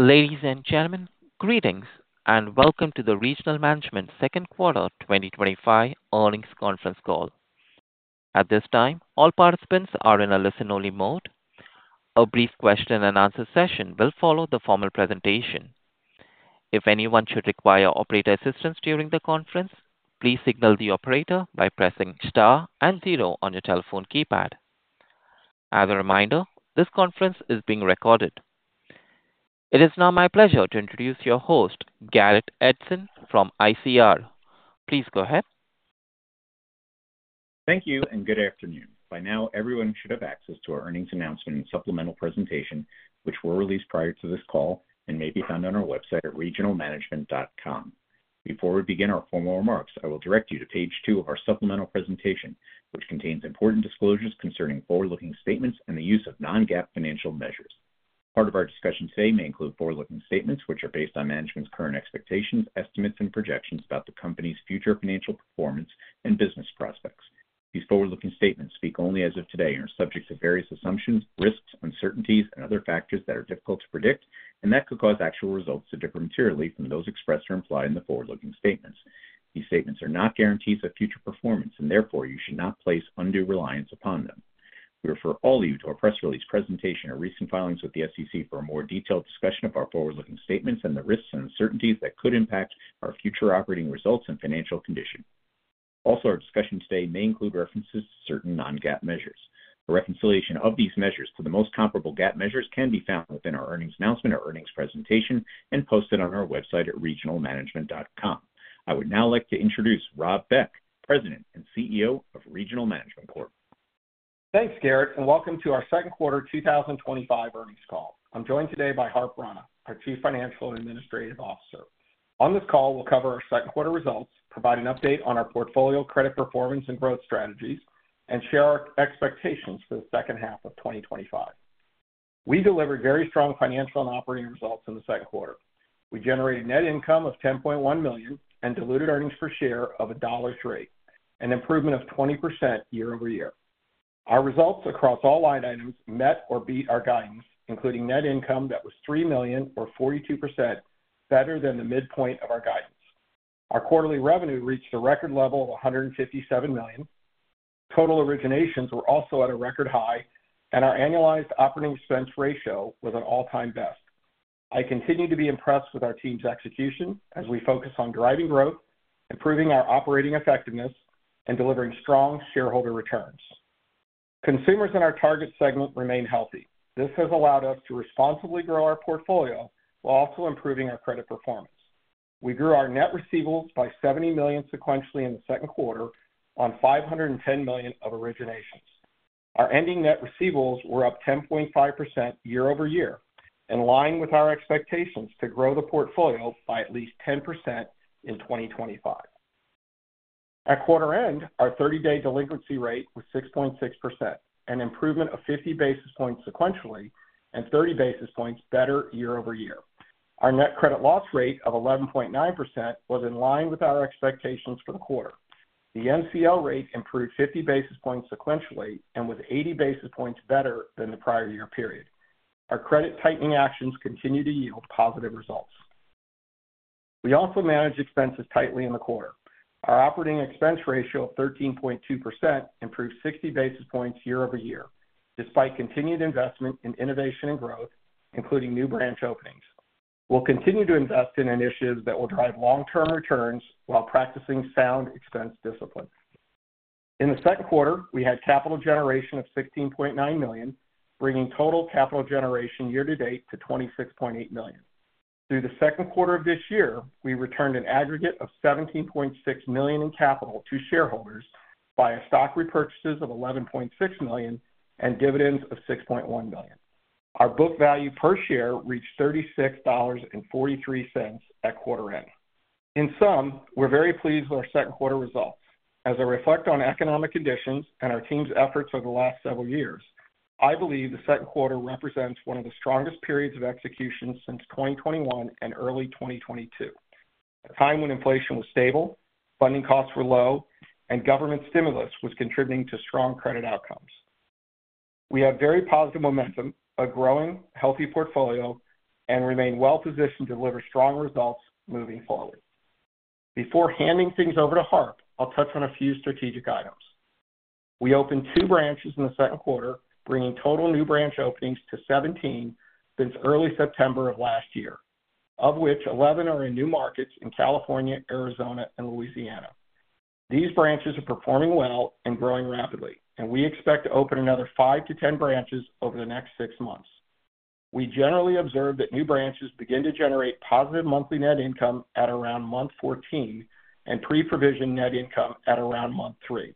Ladies and gentlemen, greetings and welcome to the Regional Management second quarter 2025 earnings conference call. At this time, all participants are in a listen-only mode. A brief question-and-answer session will follow the formal presentation. If anyone should require operator assistance during the conference, please signal the operator by pressing Star and zero on your telephone keypad. As a reminder, this conference is being recorded. It is now my pleasure to introduce your host, Garrett Edson from ICR. Please go ahead. Thank you and good afternoon. By now everyone should have access to our earnings announcement and supplemental presentation, which were released prior to this call and may be found on our website at regionalmanagement.com. Before we begin our formal remarks, I will direct you to page two of our supplemental presentation, which contains important disclosures concerning forward-looking statements and the use of non-GAAP financial measures. Part of our discussion today may include forward-looking statements, which are based on management's current expectations, estimates, and projections about the company's future financial performance and business prospects. These forward-looking statements speak only as of today and are subject to various assumptions, risks, uncertainties, and other factors that are difficult to predict and that could cause actual results to differ materially from those expressed or implied in the forward-looking statements. These statements are not guarantees of future performance and therefore you should not place undue reliance upon them. We refer all of you to our press release, presentation, or recent filings with the SEC for a more detailed discussion of our forward-looking statements and the risks and uncertainties that could impact our future operating results and financial condition. Also, our discussion today may include references to certain non-GAAP measures. A reconciliation of these measures to the most comparable GAAP measures can be found within our earnings announcement or earnings presentation and posted on our website at regionalmanagement.com. I would now like to introduce Rob Beck, President and CEO of Regional Management Corp. Thanks, Garrett, and welcome to our second quarter 2025 earnings call. I'm joined today by Harp Rana, our Chief Financial Administrative Officer. On this call, we'll cover our second quarter results, provide an update on our portfolio, credit performance, and growth strategies, and share our expectations for the second half of 2025. We delivered very strong financial and operating results in the second quarter. We generated net income of $10.1 million and diluted EPS of $1.03, an improvement of 20% year-over-year. Our results across all line items met or beat our guidance, including net income that was $3 million, or 42%, better than the midpoint of our guidance. Our quarterly revenue reached a record level of $157 million. Total originations were also at a record high, and our annualized operating expense ratio was an all-time best. I continue to be impressed with our team's execution as we focus on driving growth, improving our operating effectiveness, and delivering strong shareholder returns. Consumers in our target segment remain healthy. This has allowed us to responsibly grow our portfolio while also improving our credit performance. We grew our net receivables by $70 million sequentially in the second quarter on $510 million of originations. Our ending net receivables were up 10.5% year-over-year, in line with our expectations to grow the portfolio by at least 10% in 2025. At quarter end, our 30-day delinquency rate was 6.6%, an improvement of 50 basis points sequentially and 30 basis points better year-over-year. Our net credit loss rate of 11.9% was in line with our expectations for the quarter. The NCL rate improved 50 basis points sequentially and was 80 basis points better than the prior year period. Our credit tightening actions continue to yield positive results. We also managed expenses tightly in the quarter. Our operating expense ratio of 13.2% improved 60 basis points year-over-year. Despite continued investment in innovation and growth, including new branch openings, we'll continue to invest in initiatives that will drive long-term returns while practicing sound expense discipline. In the second quarter, we had capital generation of $16.9 million, bringing total capital generation year to date to $26.8 million. Through the second quarter of this year, we returned an aggregate of $17.6 million in capital to shareholders via stock repurchases of $11.6 million and dividends of $6.1 million. Our book value per share reached $36.43 at quarter end. In sum, we're very pleased with our second quarter results. As I reflect on economic conditions and our team's efforts over the last several years, I believe the second quarter represents one of the strongest periods of execution since 2021 and early 2022 at a time when inflation was stable, funding costs were low, and government stimulus was contributing to strong credit outcomes. We have very positive momentum, a growing healthy portfolio, and remain well-positioned to deliver strong results moving forward. Before handing things over to Harp, I'll touch on a few strategic items. We opened two branches in the second quarter, bringing total new branch openings to 17 since early September of last year, of which 11 are in new markets in California, Arizona, and Louisiana. These branches are performing well and growing rapidly, and we expect to open another 5-10 branches over the next six months. We generally observe that new branches begin to generate positive monthly net income at around month 14 and pre-provision net income at around month three.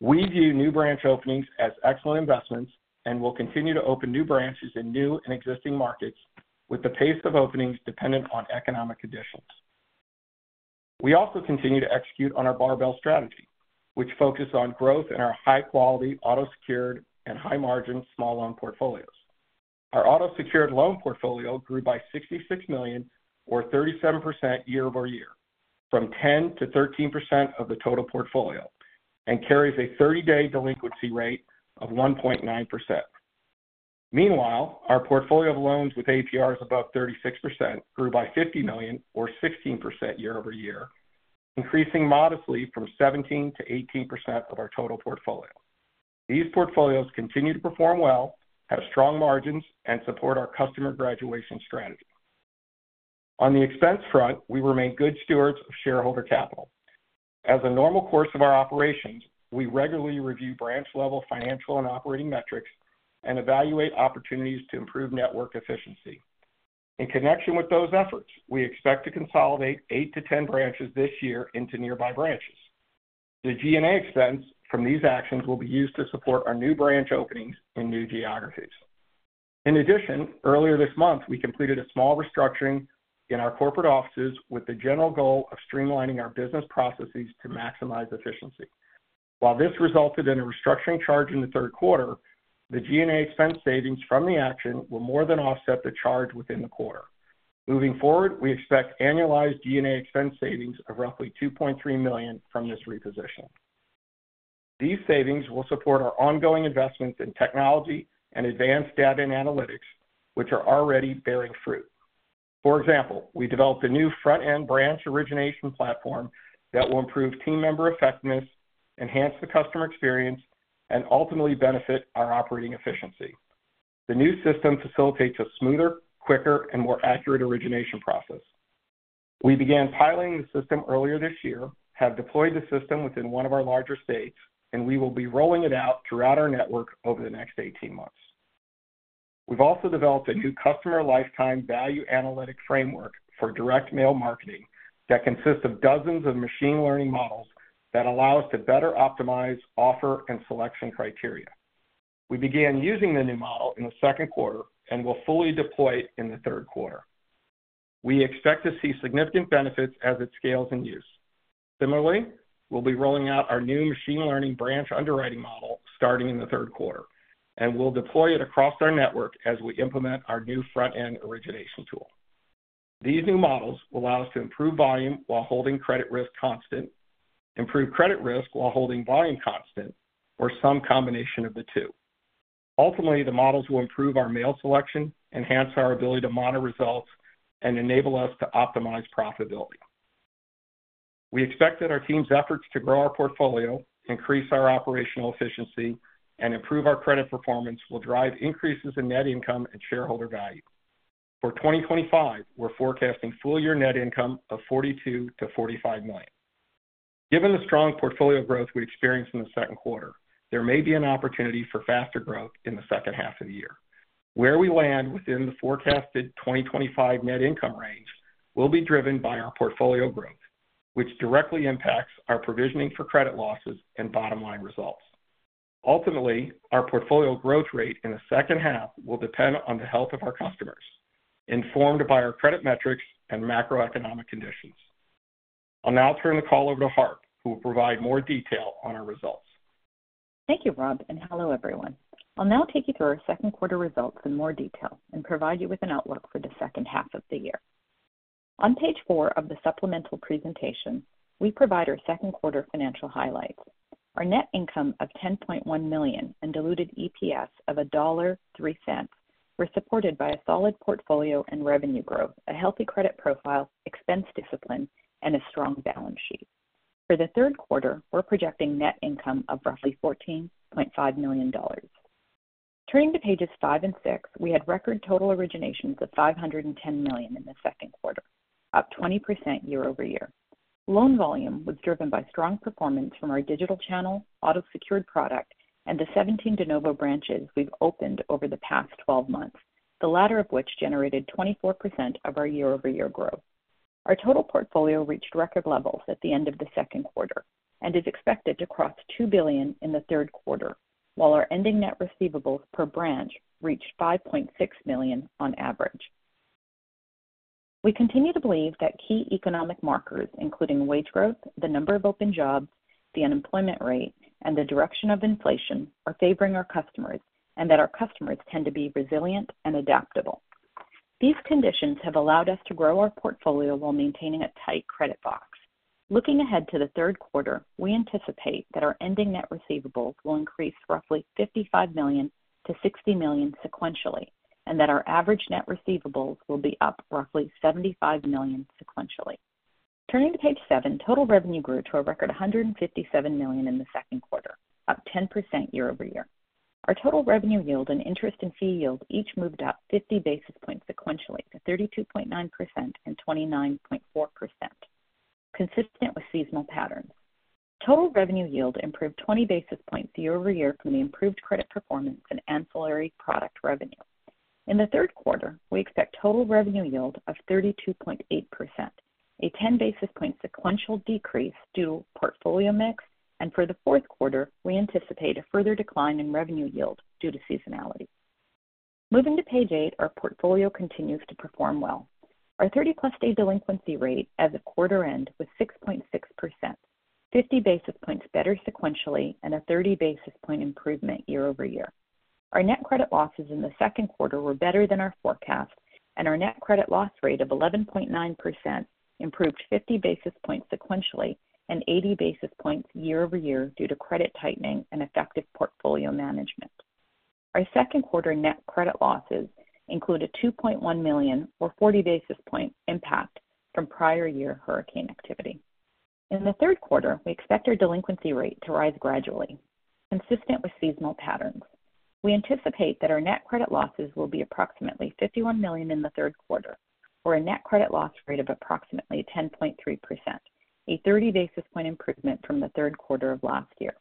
We view new branch openings as excellent investments and will continue to open new branches in new and existing markets, with the pace of openings dependent on economic conditions. We also continue to execute on our barbell strategy, which focuses on growth in our high quality auto-secured and high margin small loan portfolios. Our auto-secured loan portfolio grew by $66 million, or 37% year-over-year, from 10%-13% of the total portfolio and carries a 30-day delinquency rate of 1.9%. Meanwhile, our portfolio of loans with APRs above 36% grew by $50 million, or 16% year-over-year, increasing modestly from 17%-18% of our total portfolio. These portfolios continue to perform well, have strong margins, and support our customer graduation strategy. On the expense front, we remain good stewards of shareholder capital. As a normal course of our operations, we regularly review branch-level financial and operating metrics and evaluate opportunities to improve network efficiency. In connection with those efforts, we expect to consolidate 8-10 branches this year into nearby branches. The G&A expense from these actions will be used to support our new branch openings in new geographies. In addition, earlier this month we completed a small restructuring in our corporate offices with the general goal of streamlining our business processes to maximize efficiency. While this resulted in a restructuring charge in the third quarter, the G&A expense savings from the action will more than offset the charge within the quarter. Moving forward, we expect annualized G&A expense savings of roughly $2.3 million from this reposition. These savings will support our ongoing investments in technology and advanced data and analytics, which are already bearing fruit. For example, we developed a new front-end branch origination platform that will improve team member effectiveness, enhance the customer experience, and ultimately benefit our operating efficiency. The new system facilitates a smoother, quicker, and more accurate origination process. We began piloting the system earlier this year, have deployed the system within one of our larger states, and we will be rolling it out throughout our network over the next 18 months. We've also developed a new customer lifetime value analytic framework for direct mail marketing that consists of dozens of machine learning models that allow us to better optimize offer and selection criteria. We began using the new model in the second quarter and will fully deploy in the third quarter. We expect to see significant benefits as IT scales in use. Similarly, we'll be rolling out our new machine learning branch underwriting model starting in the third quarter, and we'll deploy it across our network as we implement our new front end origination tool. These new models will allow us to improve volume while holding credit risk constant, improve credit risk while holding volume constant, or some combination of the two. Ultimately, the models will improve our mail selection, enhance our ability to monitor results, and enable us to optimize profitability. We expect that our team's efforts to grow our portfolio, increase our operational efficiency, and improve our credit performance will drive increases in net income and shareholder value. For 2025, we're forecasting full year net income of $42 million-$45 million. Given the strong portfolio growth we experienced in the second quarter, there may be an opportunity for faster growth in the second half of the year. Where we land within the forecasted 2025 net income range will be driven by our portfolio growth, which directly impacts our provisioning for credit losses and bottom line results. Ultimately, our portfolio growth rate in the second half will depend on the health of our customers informed by our credit metrics and macroeconomic conditions. I'll now turn the call over to Harp, who will provide more detail on our results. Thank you Rob, and hello everyone. I'll now take you through our second quarter results in more detail and provide you with an outlook for the second half of the year. On page four of the supplemental presentation, we provide our second quarter financial highlights. Our net income of $10.1 million and diluted EPS of $1.03 were supported by a solid portfolio and revenue growth, a healthy credit profile, expense discipline, and a strong balance sheet. For the third quarter, we're projecting net income of roughly $14.5 million. Turning to pages five and six, we had record total originations of $510 million in the second quarter, up 20% year-over-year. Loan volume was driven by strong performance from our digital channel, auto-secured loans product, and the 17 de novo branches we've opened over the past 12 months, the latter of which generated 24% of our year-over-year growth. Our total portfolio reached record levels at the end of the second quarter and is expected to cross $2 billion in the third quarter, while our ending net receivables per branch reached $5.6 million on average. We continue to believe that key economic markers, including wage growth, the number of open jobs, the unemployment rate, and the direction of inflation, are favoring our customers and that our customers tend to be resilient and adaptable. These conditions have allowed us to grow our portfolio while maintaining a tight credit box. Looking ahead to the third quarter, we anticipate that our ending net receivables will increase roughly $55 million-$60 million sequentially and that our average net receivables will be up roughly $75 million sequentially. Turning to page seven, total revenue grew to a record $157 million in the second quarter, up 10% year-over-year. Our total revenue yield and interest and fee yield each moved up 50 basis points sequentially to 32.9% and 29.4%. Consistent with seasonal patterns, total revenue yield improved 20 basis points year-over-year. From the improved credit performance and ancillary product revenue in the third quarter, we expect total revenue yield of 32.8%, a 10 basis point sequential decrease due to portfolio mix, and for the fourth quarter we anticipate a further decline in revenue yield due to seasonality. Moving to page eight, our portfolio continues to perform well. Our 30-day delinquency rate as of quarter end was 6.6%, 50 basis points better sequentially and a 30 basis point improvement year-over-year. Our net credit losses in the second quarter were better than our forecast, and our net credit loss rate of 11.9% improved 50 basis points sequentially and 80 basis points year-over-year due to credit tightening and effective portfolio management, Our second quarter net credit losses include a $2.1 million or 40 basis point impact from prior year hurricane activity. In the third quarter, we expect our delinquency rate to rise gradually, consistent with seasonal patterns. We anticipate that our net credit losses will be approximately $51 million in the third quarter, or a net credit loss rate of approximately 10.3%, a 30 basis point improvement from the third quarter of last year.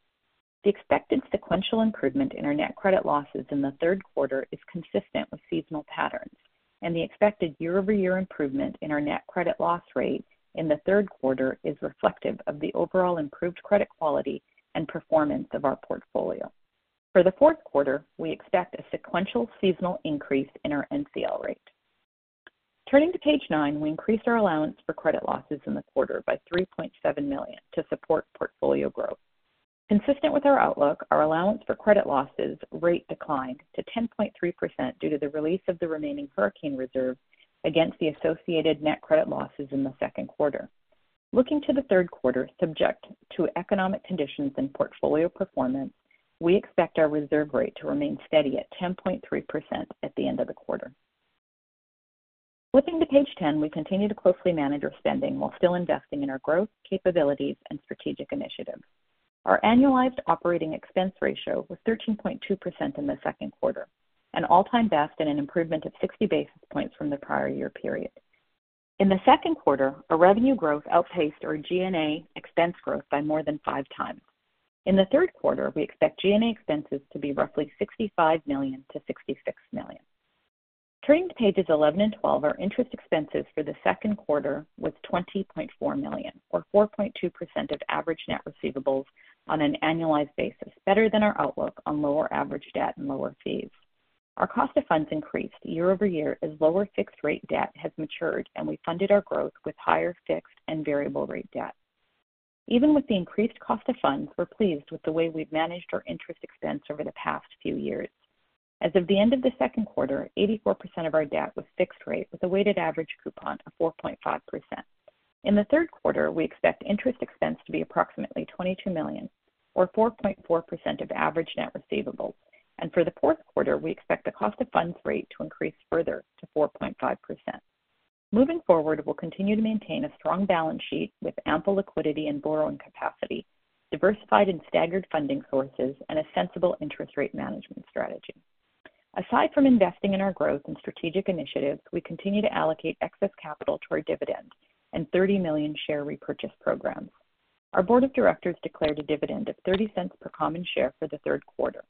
The expected sequential improvement in our net credit losses in the third quarter is consistent with seasonal patterns, and the expected year-over-year improvement in our net credit loss rate in the third quarter is reflective of the overall improved credit quality and performance of our portfolio. For the fourth quarter, we expect a sequential seasonal increase in our NCL rate. Turning to page nine, we increased our allowance for credit losses in the quarter by $3.7 million to support portfolio growth. Consistent with our outlook, our allowance for credit losses rate declined to 10.3% due to the release of the remaining hurricane reserve against the associated net credit losses in the second quarter. Looking to the third quarter, subject to economic conditions and portfolio performance, we expect our reserve rate to remain steady at 10.3% at the end of the quarter. Flipping to page 10, we continue to closely manage our spending while still investing in our growth capabilities and strategic initiatives. Our annualized operating expense ratio was 13.2% in the second quarter, an all-time best and an improvement of 60 basis points from the prior year period. In the second quarter, our revenue growth outpaced our G&A expense growth by more than 5x. In the third quarter, we expect G&A expenses to be roughly $65 million-$66 million. Turning to pages 11 and 12, our interest expenses for the second quarter was $20.4 million or 4.2% of average net receivables on an annualized basis, better than our outlook on lower average debt and lower fees. Our cost of funds increased year-over-year as lower fixed rate debt has matured, and we funded our growth with higher fixed and variable rate debt. Even with the increased cost of funds, we're pleased with the way we've managed our interest expense over the past few years. As of the end of the second quarter, 84% of our debt was fixed rate with a weighted average coupon of 4.5%. In the third quarter, we expect interest expense to be approximately $22 million or 4.4% of average net receivables. For the fourth quarter, we expect the cost of funds rate to increase further to 4.5%. Moving forward, we'll continue to maintain a strong balance sheet with ample liquidity and borrowing capacity, diversified and staggered funding sources, and a sensible interest rate management strategy. Aside from investing in our growth and strategic initiatives, we continue to allocate excess capital to our dividend and $30 million share repurchase program. Our Board of Directors declared a dividend of $0.30 per common share for the third quarter.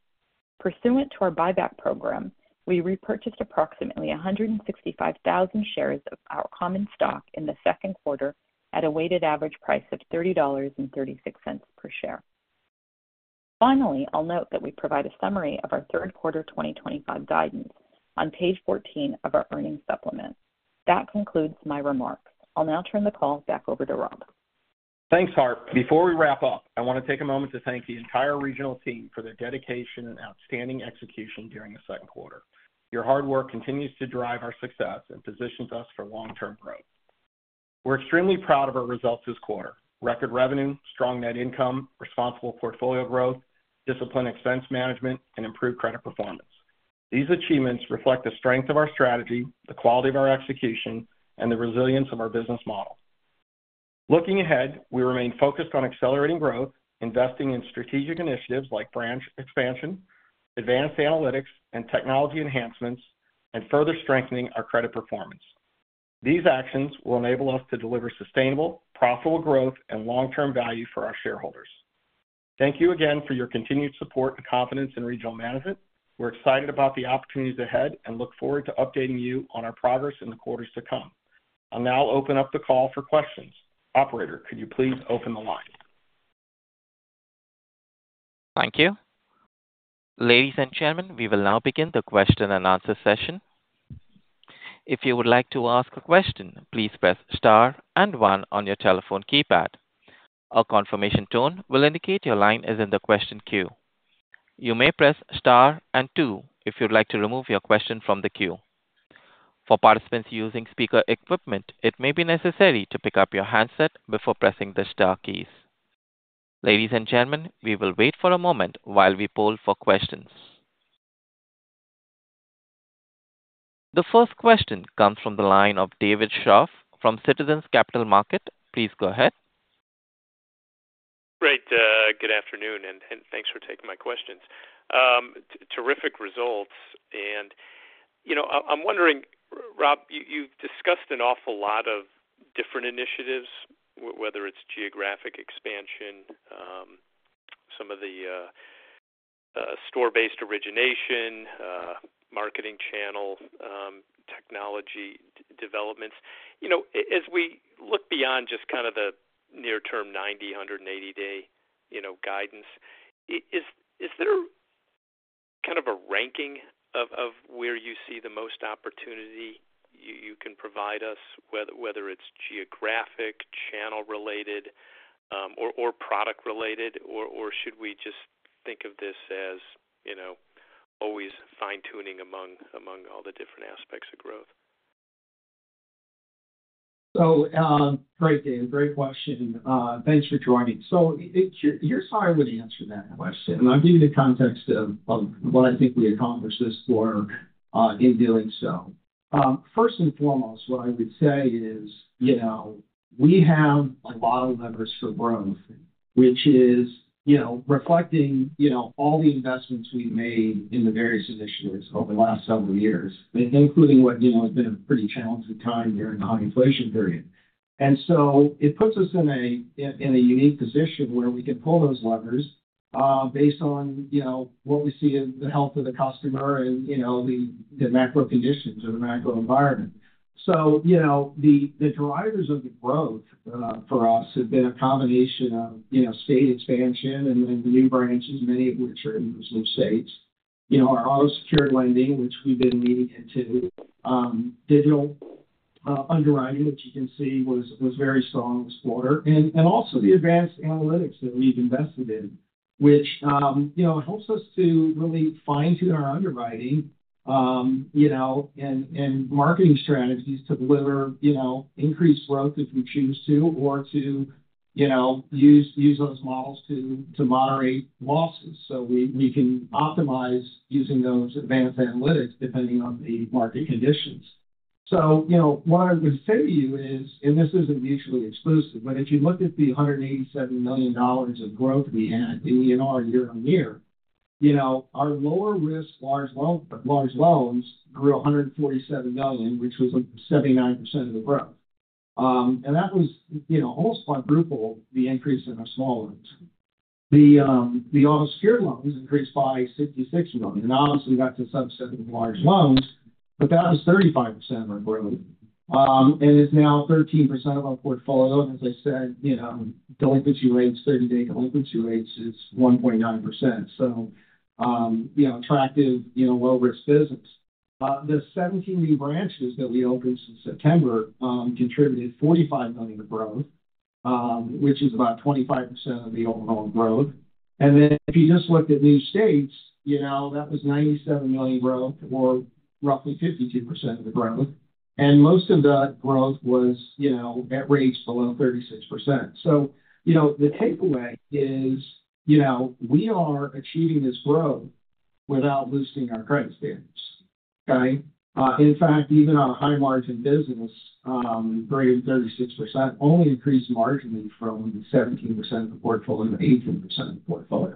Pursuant to our buyback program, we repurchased approximately 165,000 shares of our common stock in the second quarter at a weighted average price of $30.36 per share. Finally, I'll note that we provide a summary of our third quarter 2025 guidance on page 14 of our earnings supplement. That concludes my remarks. I'll now turn the call back over to Rob. Thanks, Harp. Before we wrap up, I want to take a moment to thank the entire Regional team for their dedication and outstanding execution during the second quarter. Your hard work continues to drive our success and positions us for long-term growth. We're extremely proud of our results this quarter: record revenue, strong net income, responsible portfolio growth, disciplined expense management, and improved credit performance. These achievements reflect the strength of our strategy, the quality of our execution, and the resilience of our business model. Looking ahead, we remain focused on accelerating growth, investing in strategic initiatives like branch expansion, advanced analytics and technology enhancements, and further strengthening our credit performance. These actions will enable us to deliver sustainable, profitable growth and long-term value for our shareholders. Thank you again for your continued support and confidence in Regional Management. We're excited about the opportunities ahead and look forward to updating you on our progress in the quarters to come. I'll now open up the call for questions. Operator, could you please open the line? Thank you. Ladies and gentlemen, we will now begin the question-and-answer session. If you would like to ask a question, please press Star and one on your telephone keypad. A confirmation tone will indicate your line is in the question queue. You may press Star and two if you'd like to remove your question from the queue. For participants using speaker equipment, it may be necessary to pick up your handset before pressing the star keys. Ladies and gentlemen, we will wait for a moment while we poll for questions. The first question comes from the line of David Scharf from Citizens Capital Market. Please go ahead. Great. Good afternoon and thanks for taking my questions. Terrific results. I'm wondering, Rob, you've discussed an awful lot of different initiatives. Whether it's geographic expansion, some of the store-based origination, marketing channel technology developments, as we look beyond just kind of the near term 90, 180 day guidance, is there kind of a ranking of where you see the most opportunity you can provide us, whether it's geographic, channel-related or product-related? Should we just think of this as always fine tuning among all the different aspects of growth. Great question, Dave, thanks for joining. Here's how I would answer that question. I'll give you the context of what I think we accomplished this for. First and foremost, what I would say is, we have a lot of leverage for growth, which is reflecting all the investments we've made in the various initiatives over the last several years, including what has been a pretty challenging time during the non-inflation period. It puts us in a unique position where we can pull those levers based on what we see in the health of the customer and the macro conditions of the macro environment. The drivers of the growth for us have been a combination of state expansion and even universities, many of which are in some states, our auto-secured lending, which we've been leading into digital, underlining that you can see was very strong. Also, the advanced analytics that we've invested in helps us to really fine-tune our underwriting and marketing strategies to deliver increased growth if you choose to, or to use those models to moderate losses so we can optimize using those advanced analytics depending on the market conditions. What I'm going to say to you is, and this isn't mutually exclusive, if you look at the $187 million of growth we had in ENR year-on-year, our lower risk, large loans grew $147 million, which was 79% of the growth. That was almost quadruple the increase in the small loans. The auto-secured loans increased by $66 million. Obviously, that's a subset of large loans, but that was 35% reportedly, and it's now 13% of our portfolio. As I said, delinquency rates, day-to-day delinquency rates, is 1.9%. Attractive, low risk physics. The 17 new branches that we opened since September contributed $45 million of growth, which is about 25% of the overall growth. If you just looked at new states, that was $97 million growth or roughly 52% of the growth. Most of that growth was at rates below 36%. The takeaway is, we are achieving this growth without boosting our credit standards. Okay. In fact, even a high margin business bringing 36% only increased marginally from 17% of the portfolio to 18% of the portfolio.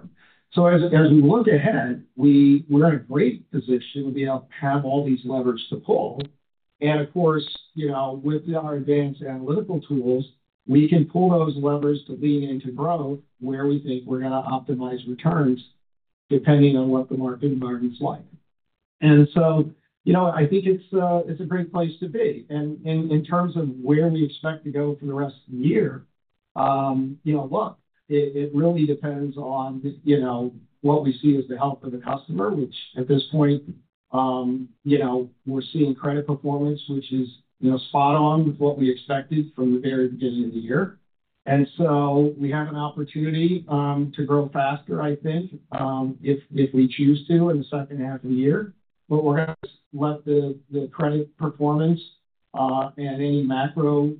As we look ahead, we're in a great position to be able to have all these levers to pull. Of course, with our advanced analytical tools, we can pull those levers to lean into growth where we think we're going to optimize returns depending on what the market environment's like. I think it's a great place to be. In terms of where we expect to go for the rest of the year, it really depends on what we see as the health of the customer, which at this point, we're seeing credit performance which is spot on with what we expected from the very beginning of the year. We have an opportunity to grow faster, I think, if we choose to in the second half of the year. We're going to let the credit performance and any macro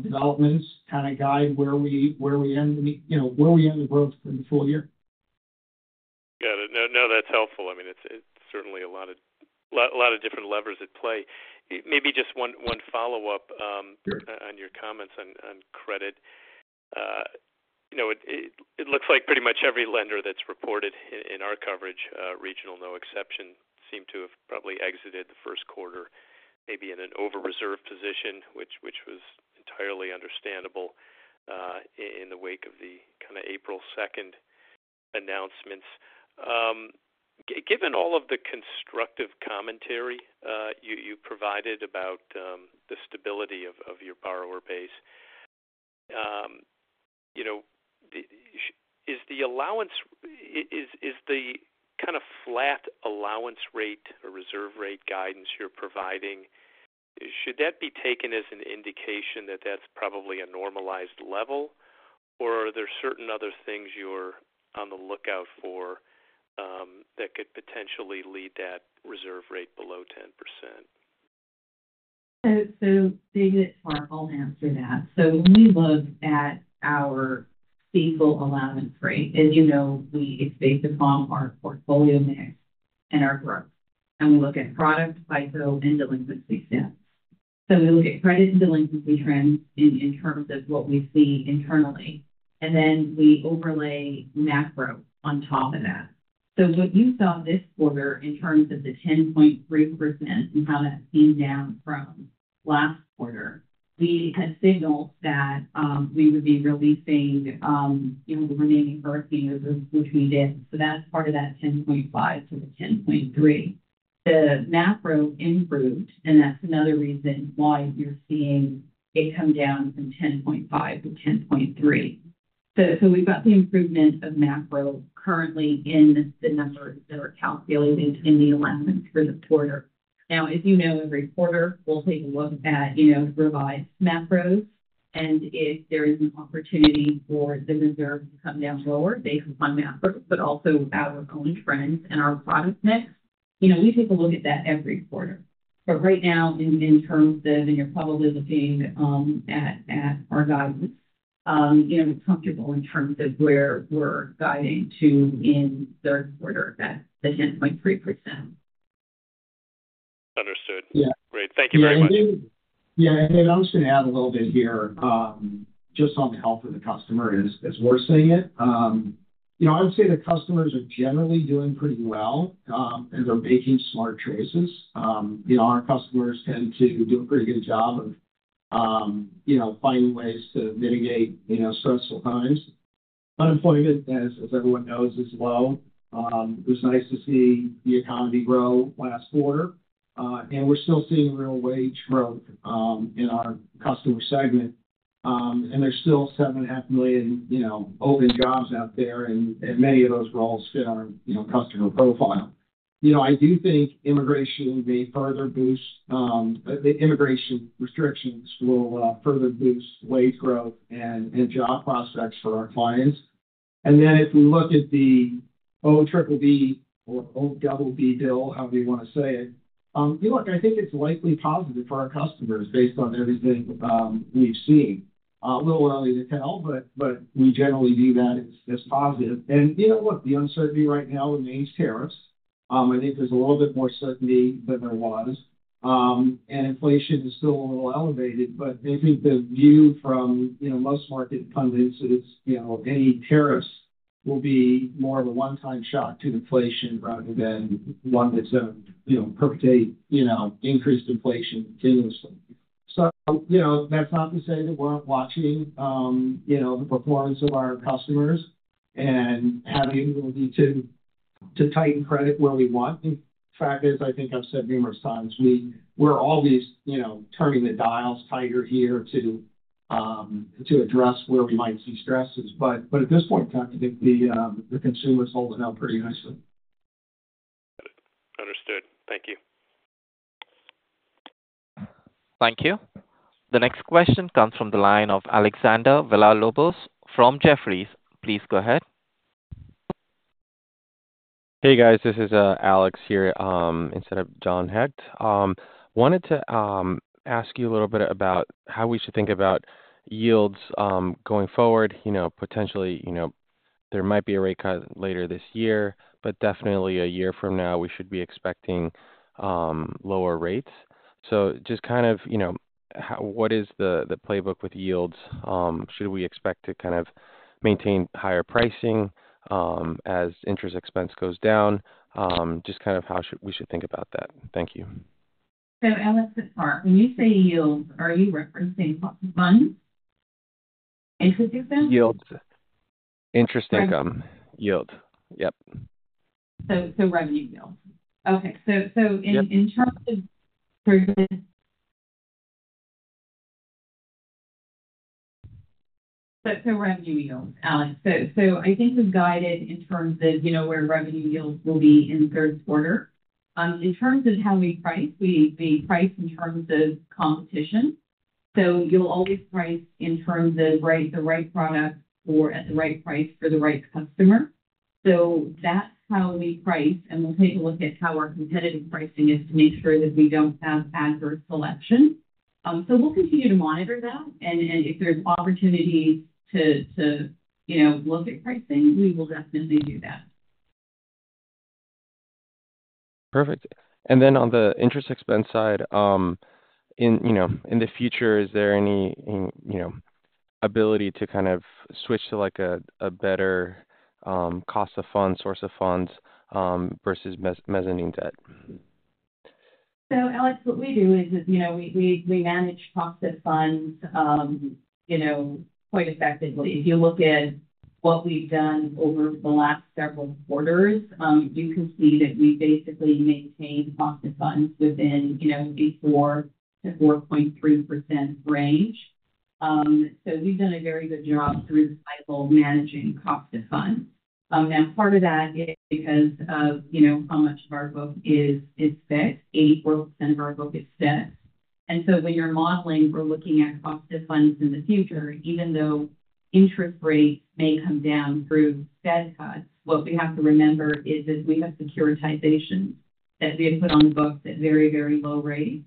developments kind of guide where we end the growth in the full year. Got it. No, that's helpful. I mean, it's certainly a lot of different levers at play. Maybe just one follow up on your comments on credit. You know, it looks like pretty much every lender that's reported in our coverage, Regional Management, no exception, seem to have probably exited the first quarter maybe in an over reserved position, which was entirely understandable in the wake of the kind of April 2nd announcements given all of the constructive commentary you provided about the stability of your borrower base. You know, is the allowance, is the kind of flat allowance rate or reserve rate guidance you're providing, should that be taken as an indication that that's probably a normalized level, or are there certain other things you're on the lookout for that could potentially lead that reserve rate below 10%? David, Mark, I'll answer that. When we look at our feasible allowance rate, as you know, it's based upon our portfolio mix and our growth, and we look at product, FICO, and delinquency. We look credit to the length of return in terms of what we see internally, and then we overlay Napro on top of that. What you saw this quarter in terms of the 10.3% came down from last quarter. We had signals that we would be releasing the remaining versus we feed in. That's part of that 10.5% to the 10.3% macro enroute, and that's another reason why you're seeing a come down from 10.5%-10.3%. We have the improvement of macro currently in the numbers that are calculated in the alignments for this quarter. As you know, every quarter we'll take a look at revised macros, and if there is an opportunity for the reserve to come down lower based upon macros but also our police friends and our bottom, you take a look at that every quarter. Right now in terms of, and you're probably looking at our guidance, it's comfortable in terms of where we're guiding to in third quarter. Understood. Great. Thank you very much. Yeah, I was going to add a little bit here just on the health of the customer as we're seeing it. I would say the customers are generally doing pretty well and they're making smart choices. Our customers tend to do a pretty good job of finding ways to mitigate stressful times, unemployment as everyone knows as well. It was nice to see the economy grow last quarter and we're still seeing real wage growth in our customer segment. There's still 7.5 million open jobs out there and many of those roles fit our customer profile. I do think immigration restrictions will further boost wage growth and job prospects for our clients. If we look at the OBB or OBB bill, however you want to say it, I think it's likely positive for our customers based on everything we've seen. It's a little early to tell, but we generally view that as positive. The uncertainty right now remains tariffs. I think there's a little bit more certainty than there was and inflation is still a little elevated. The view from most market pundits is that any tariffs will be more of a one-time shock to deflation rather than one that's going to perpetrate increased inflation continuously. That's not to say that we're not watching the performance of our customers and having to tighten credit where we want factors. I think I've said numerous times, we're always turning the dials tighter here to address where we might see stresses. At this point the consumer's holding out pretty nicely. Understood, thank you. Thank you. The next question comes from the line of Alexander Velalobos from Jefferies. Please go ahead. Hey guys, this is Alex here instead of John Hecht. Wanted to ask you a little bit about how we should think about yields going forward. Potentially, there might be a rate cut later this year, but definitely a year from now we should be expecting lower rates. Just kind of, what is the playbook with yields? Should we expect to kind of maintain higher pricing as interest expense goes down? Just kind of how we should think about that. Thank you. When you say yields, are you representing money interest income yield? Interest income yield. Yep. Revenue yield. In terms of revenue yields, I think we've guided in terms of where revenue yields will be in the third quarter in terms of how we price. We price in terms of components. You'll always price in terms of the right product or at the right price for the right customer. That's how we price. We'll take a look at how our competitive pricing is to make sure that we don't have adverse selection. We'll continue to monitor that, and if there's opportunity to look at pricing, we will definitely do that. Perfect. On the interest expense side, in the future, is there any ability to switch to a better cost of funds, source of funds versus mezzanine debt? What we do is we manage cost of funds quite effectively. If you look at what we've done over the last several quarters, you can see that we basically maintain cost of funds within, you know, before the 4.3% range. We've done a very good job through managing cost of funds. Now, part of that is because of how much of our book is fixed. 84% of our book is fixed. When you're modeling, we're looking at cost of funds in the future. Even though interest rates may come down through static costs, what we have to remember is that we have securitization that they put on the books at very, very low ratings.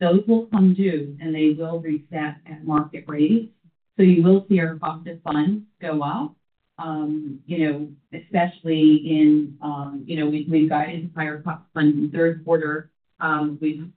Those will come due and they will reach that at market rating. You will see our cost of funds go up, especially in, you know, we got entire third quarter. We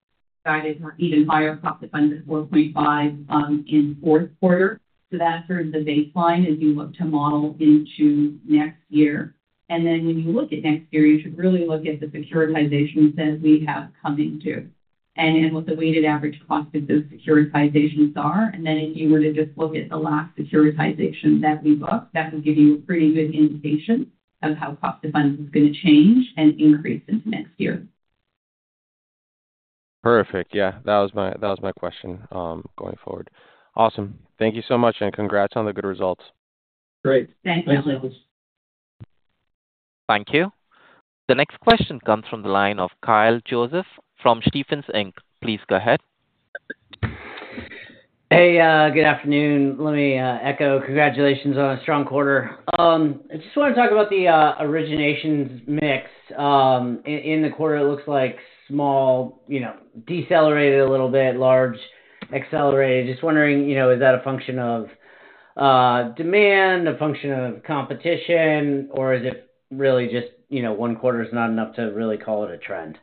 even buy our profit fund at $145 in fourth quarter. That serves as the baseline as you look to model into next year. When you look at next year, you should really look at the securitizations that we have coming due and what the weighted average cost of those securitizations are. If you were to just look at the last securitization that we booked, that would give you a pretty good indication of how cost dependent it is going to change and increase into next year. Perfect. Yeah, that was my question going forward. Awesome. Thank you so much, and congrats on the good results. Great. Thank you. Thank you. The next question comes from the line of Kyle Joseph from Stephens, Inc. Please go ahead. Hey, good afternoon. Let me echo congratulations on a strong quarter. I just want to talk about the originations mix in the quarter. It looks like small decelerated a little bit, large accelerated. Just wondering, is that a function of demand, a function of competition, or is it really just one quarter is not enough to really call it a trend?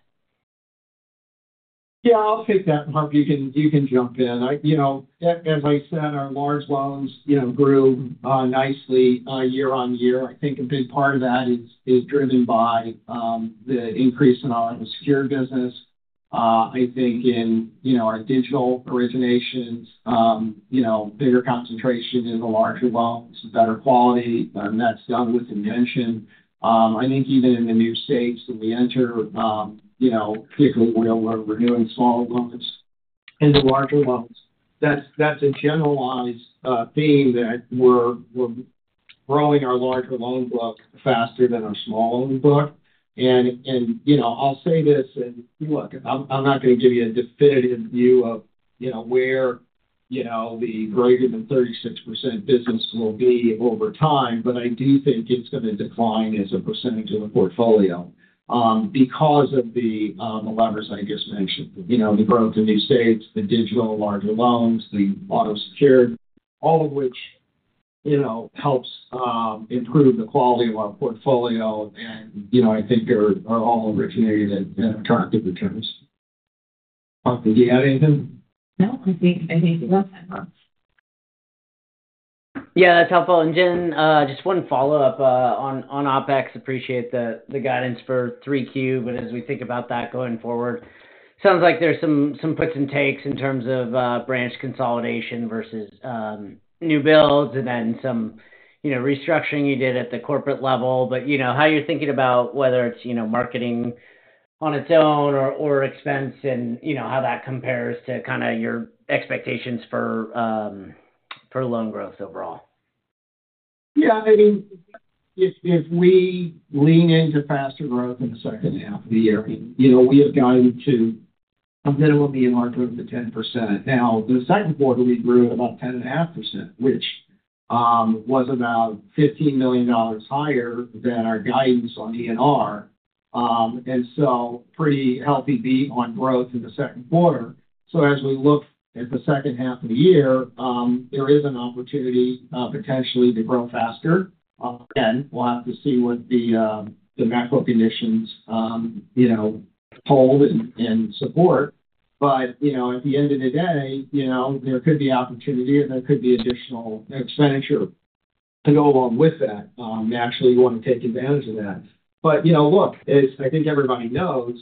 Yeah, I'll take that. You know, as I said, our large loans grew nicely year-on-year. I think a big part of that is driven by the increase in our secured business, I think in our digital originations, bigger concentration in the larger loans, better quality, and that's done with intention. I think even in the new states that we enter, particularly where we're doing smaller loans in the larger loans, that's a generalization being that we're growing our larger loan book faster than our small loan book. I'll say this, I'm not going to give you a definitive view of where the greater than 36% business will be over time. I do think it's going to decline as a percentage of the portfolio because of the levers I just mentioned, the growth in the states, the digital larger loans, the auto-secured, all of which helps improve the quality of our portfolio. I think they're all originating at attractive returns. Do you have anything? No. Yeah, that's helpful. Just one follow up on OpEx. Appreciate the guidance for 3Q, but as we think about that going forward, it sounds like there's some puts and takes in terms of branch consolidation versus new builds and then some restructuring you did at the corporate level. How you're thinking about whether it's marketing on its own or expense and how that compares to your expectations. For loan growth overall, yeah, I mean if we lean into faster growth in the second half of the year, you know, we have gotten to and then it would be an argument to 10%. The second quarter we grew about 10.5%, which was about $15 million higher than our guidance on DNR, and so pretty healthy beat on growth in the second quarter. As we look at the second half of the year, there is an opportunity potentially to grow faster and we'll have to see what the macro conditions, you know, hold and support. At the end of the day, you know, there could be opportunity and there could be additional expenditure to go along with that. Naturally, you want to take advantage of that. As I think everybody knows,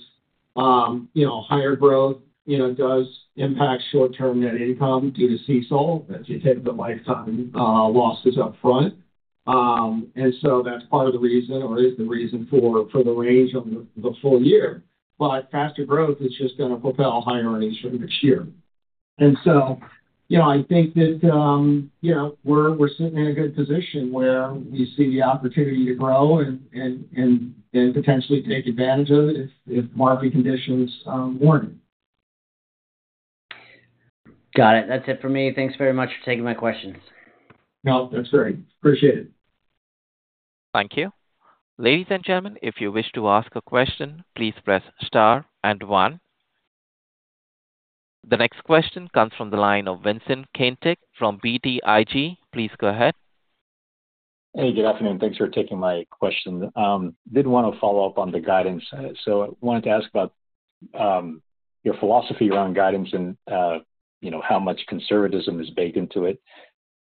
higher growth does impact short-term net income due to CECL as you think of the lifetime losses up front. That's part of the reason or is the reason for the range on the full year. Faster growth is just going to propel higher earnings for next year. I think that we're sitting in a good position where we see the opportunity to grow and potentially take advantage of it if market conditions warrant. Got it. That's it for me. Thanks very much for taking my questions. No, that's great. Appreciate it. Thank you. Ladies and gentlemen, if you wish to ask a question, please press star and 1. The next question comes from the line of Vincent Caintic from BTIG. Please go ahead. Hey, good afternoon. Thanks for taking my question. I did want to follow up on the guidance. I wanted to ask about your philosophy around guidance and, you know, how much conservatism is baked into it.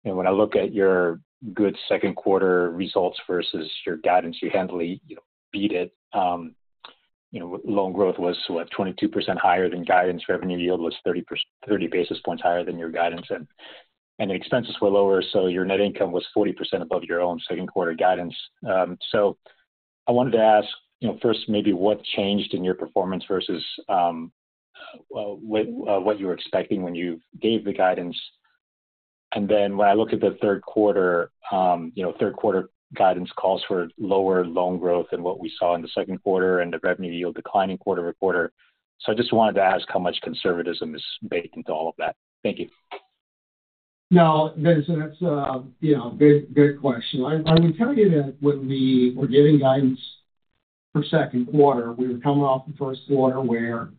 When I look at your good second quarter results versus your guidance. You handily beat it. You know, loan growth was, what, 22% higher than guidance, revenue yield was 30 basis points higher than your guidance, and expenses were lower. Your net income was 40% above your own second quarter guidance. I wanted to ask first, maybe what changed in your performance versus. What you were expecting when you gave the guidance? When I look at the third quarter, you know, third quarter guidance Calls for lower loan growth than what we saw in the second quarter and the revenue yield declining quarter. I just wanted to ask how much conservatism is baked into all of that? Thank you. Now that's a good question. I'm telling you that when we were giving guidance for the second quarter, we were coming off the first quarter where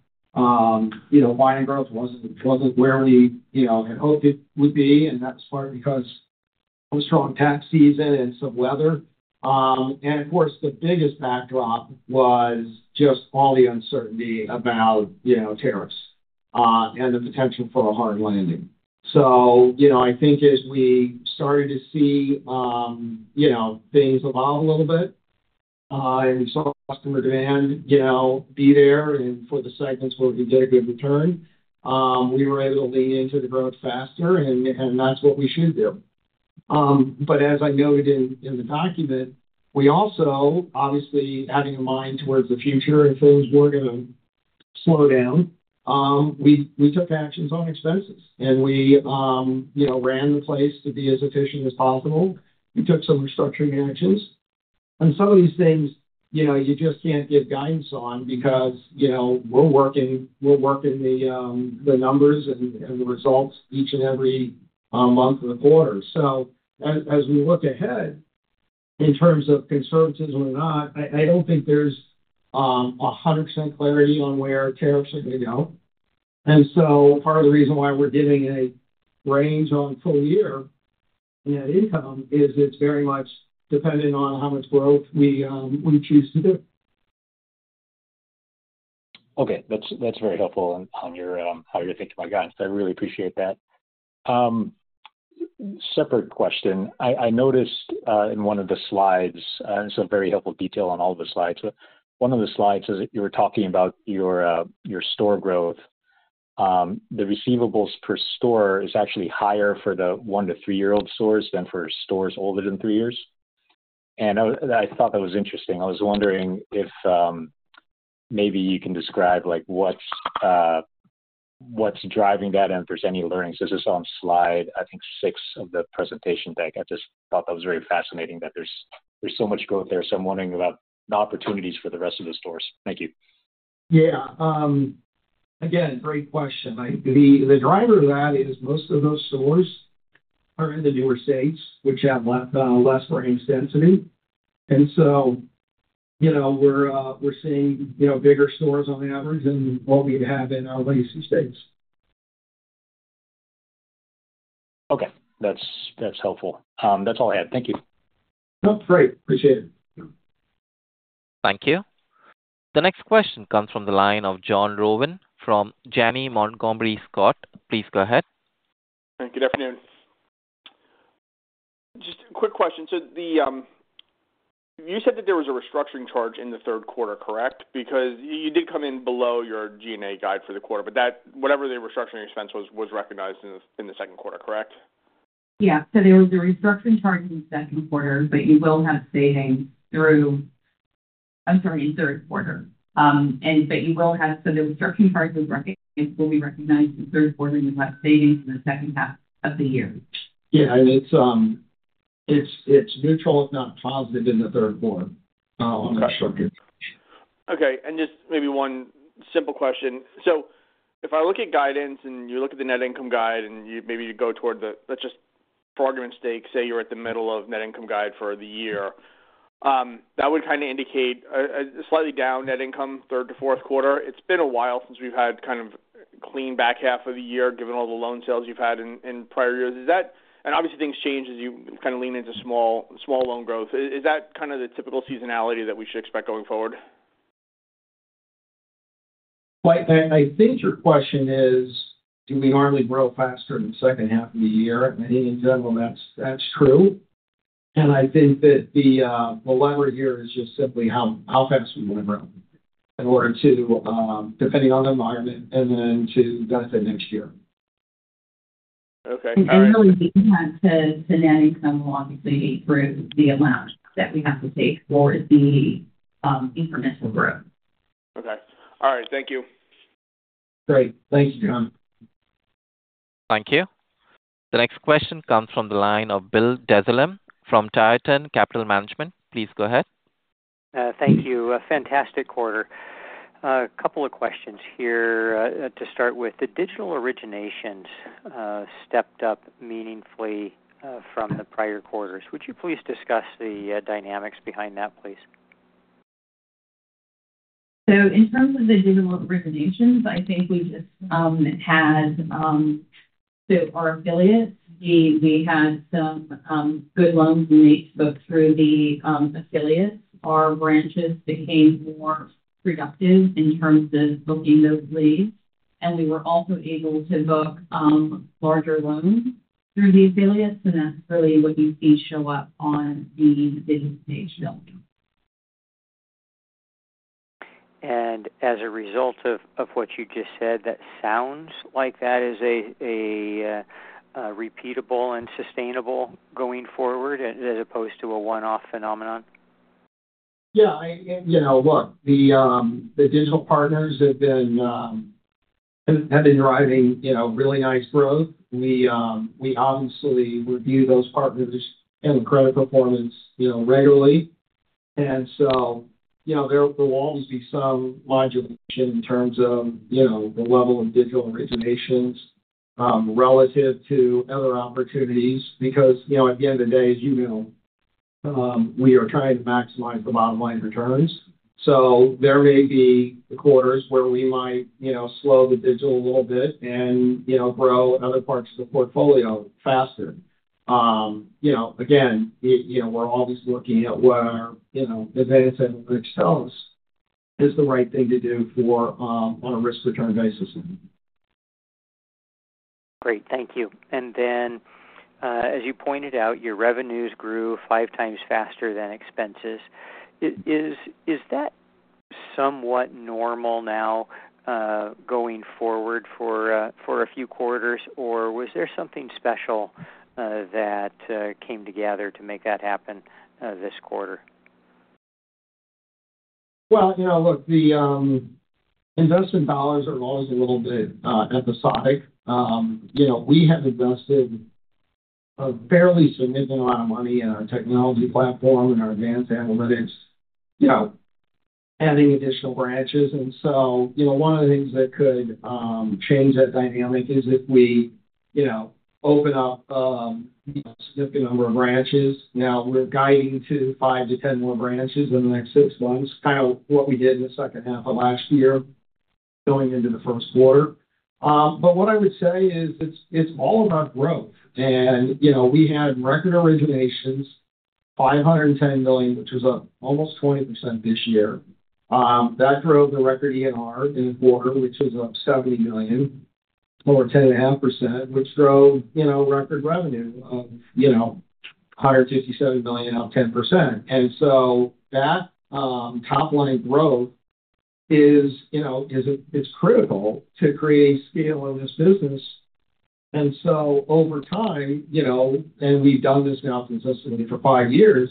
buying growth wasn't where we had hoped it would be. That was in part because of strong tax season and some weather. Of course, the biggest backdrop was just all the uncertainty about tariffs and the potential for a hard landing. I think as we started to see things evolve a little bit, I saw customer demand be there, and for the segments where we could get a good return, we were able to lean into the growth faster and that's what we should do. As I noted in the document, we also obviously have a mind towards the future and things were going to slow down. We took actions on expenses and we ran the place to be as efficient as possible. We took some restructuring margins and some of these things you just can't give guidance on because we're working the numbers and the results each and every month of the quarter. As we look ahead in terms of conservatism or not, I don't think there's 100% clarity on where tariffs are going to go. Part of the reason why we're giving a range on full year net income is it's very much dependent on how much growth we choose to do. Okay, that's very helpful on how you're thinking about guidance. I really appreciate that. Separate question, I noticed in one of the slides, and some very helpful detail on all the slides. One of the slides you were talking about your store growth, the receivables per store is actually higher for the one to three year old stores than for stores older than three years. I thought that was interesting. I was wondering if maybe you can describe what's driving that, and if there's any learnings. This is on slide six of the presentation deck. I just thought that was very fascinating that there's so much growth there. I'm wondering about opportunities for the rest of the stores. Thank you. Yeah. Great question. The driver is most of those stores are in the newer states, which have less range density. We're seeing bigger stores on average than what we have in all these states. Okay, that's. That's helpful. That's all I had. Thank you. Great. Appreciate it. Thank you. The next question comes from the line of John Rowan from Janney Montgomery Scott. Please go ahead. Good afternoon. Just a quick question. The. You said that there was a restructuring charge in the third quarter. Correct. Because you did come in below your G&A guide for the quarter, but that whatever the restructuring expense was was recognized in the third quarter. In the second quarter, correct? Yeah. There was a restructuring target in the second quarter, but you will have savings through. I'm sorry, in third quarter. The restructuring charges will be recognized in third quarter. You lack savings in the second half of the year. Yeah, it's neutral if not deposited in the third board on that shortcut. Maybe one simple question. If I look at guidance and you look at the net income guide and maybe you go toward the, let's just for argument's sake say you're at the middle of net income guide for the year, that would kind of indicate slightly down net income third to fourth quarter. It's been a while since we've had kind of clean back half of the year, given all the loan sales you've had in prior years. Is that. Obviously, things change as you kind of lean into small loan growth. Is that kind of the typical seasonality that we should expect going forward? I think your question is do we normally grow faster in the second half of the year. That's true. I think that the leverage here is just simply how fast we want to grow in order to, depending on the environment, and then to benefit next year. Okay. Genetics. Obviously, eight amounts that we have to take for the information room. Okay. All right. Thank you. Thanks, John. Thank you. The next question comes from the line of Bill Dezellem from Tartan Capital Management. Please go ahead. Thank you. A fantastic quarter. A couple of questions here to start with. The digital originations stepped up meaningfully from the prior quarters. Would you please discuss the dynamics behind that, please? In terms of the digital originations, I think we just had our affiliate, we had some good loans unique both through the affiliates. Our branches became more productive in terms of booking those leads, and we were also able to book larger loans through the affiliates to necessarily what you see show up on the. As a result of what you just said, that sounds like that is a repeatable and sustainable going forward as opposed to a one-off phenomenon. Yeah, you know what, the digital partners have been driving really nice growth. We obviously review those partners and credit performance regularly. There will always be some modulation in terms of the level of digital originations relative to other opportunities. At the end of the day, as you know, we are trying to maximize the bottom line returns. There may be quarters where we might slow the digital a little bit and grow other parts of the portfolio faster. Again, we're always looking at what our advancing is, the right thing to do on a risk return basis. Thank you. As you pointed out, your revenues grew 5x faster than expenses. Is that somewhat normal now going forward for a few quarters, or was there something special that came together to make that happen this quarter? The investment dollars are always a little bit episodic. We have invested a fairly significant amount of money in our technology platform and our advanced analytics, adding additional branches. One of the things that could change that dynamic is if we open up a number of branches. Now we're guiding to 5-10 more branches in the next six months, kind of what we did in the second half of last year going into the first quarter. What I would say is it's all about growth. We had record originations, $510 million, which was up almost 20% this year. That drove the record ENR in the quarter, which is up $70 million, over 10.5%, which drove record revenue of $157 million, up 10%. That top line growth is critical to creating scale in this business. Over time, and we've done this now consistently for five years,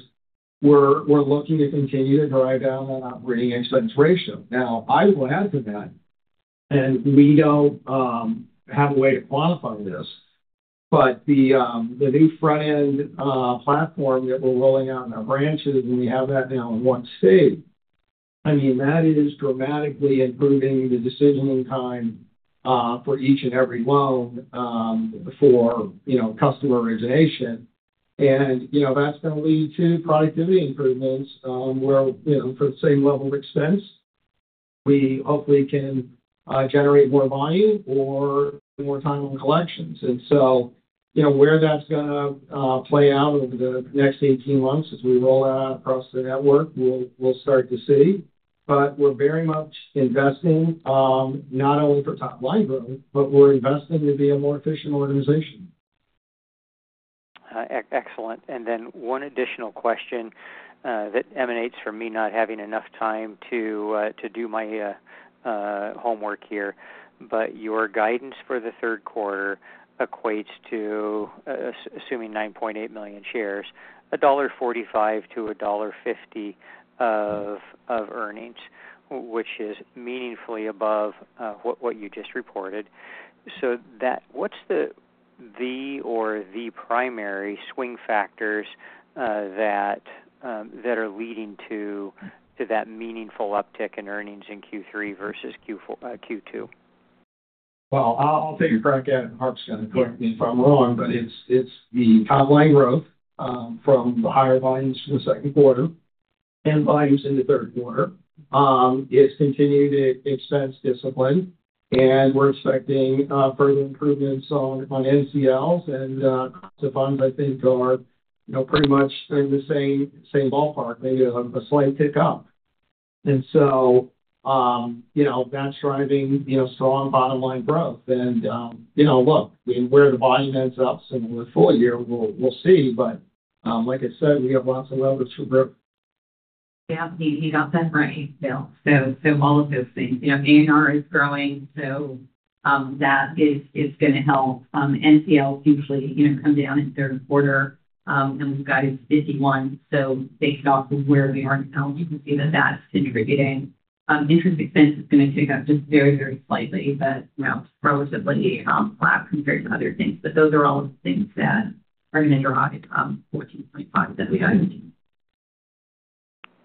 we're looking to continue to drive down on operating expense ratio. I will add to that, and we don't have a way to quantify this, but the new front end platform that we're rolling out in our branches, and we have that now in one state, is dramatically improving the decisioning time for each and every loan for customer origination, and that's going to lead to productivity improvements. For the same level of expense, we hope we can generate more volume or more time on collections. Where that's going to play out over the next 18 months as we roll out across the network, we'll start to see, but we're very much investing not only, but we're investing to be a more efficient organization. Excellent. One additional question that emanates from me not having enough time to do my homework here, but your guidance for the third quarter equates to assuming 9.8 million shares, $1.45-$1.50 of earnings, which is meaningfully above what you just reported. What are the primary swing factors that are leading to that meaningful uptick in earnings in Q3 versus Q2? I'll take a crack at it. Harp's going to correct me if I'm wrong, but it's the top line growth from higher volumes for the second quarter and volumes in the third quarter. It's continuing to expense discipline, and we're expecting further improvements on NCLs, and the funds I think are pretty much in the same ballpark, maybe a slight tick up, and so that's driving strong bottom line growth. You know, look where the volume ends up. Full year we'll see. Like I said, we have lots of leverage for river. Yeah, you got that right. All of those things, you know, DNR is growing, so that is going to help NCLS usually, you know, come down in third quarter, and we've got a 51. Based off of where we are now, you can see the best in rigging. This has been very, very slightly, but now relatively flat compared to other things. Those are things that are in your eye.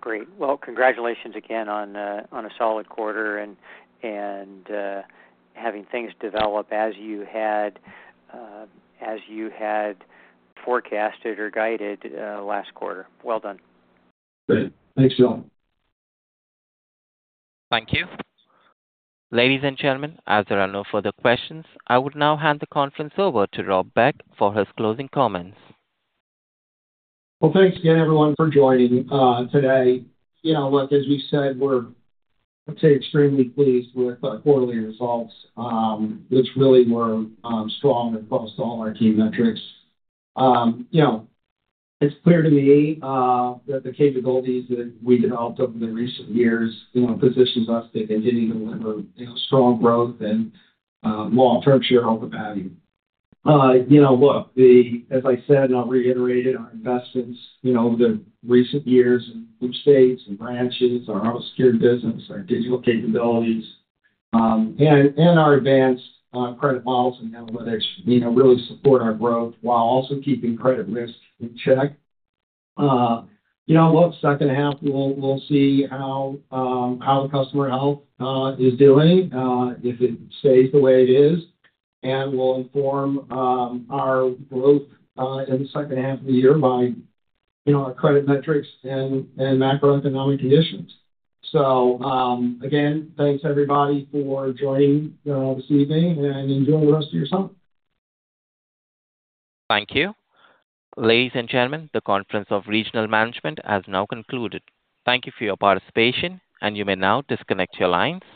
Great. Congratulations again on a solid quarter and having things develop as you had forecasted or guided last quarter. Well done. Great. Thanks Joel. Thank you. Ladies and gentlemen, as there are no further questions, I would now hand the conference over to Rob Beck for his closing comments. Thanks again everyone for joining today. As we said, we're extremely pleased with our quarterly results, which really were strong across all our key metrics. It's clear to me that the capabilities that we developed over the recent years position us to continue to deliver strong growth and long-term shareholder value. As I said, I'll reiterate it, our investments in the recent years in branches, our secured business, our digital capabilities, and our advanced credit models and analytics really support our growth while also keeping credit risk in check. The second half, we'll see how the customer health is doing. If it stays the way it is, it will inform our group in the second half of the year, our credit metrics, and macroeconomic conditions. Again, thanks everybody for joining this evening and enjoy the rest of your summer. Thank you. Ladies and gentlemen, the conference of Regional Management has now concluded. Thank you for your participation and you may now disconnect your lines.